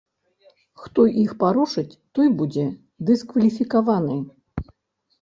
Хто іх парушыць той будзе дыскваліфікаваны.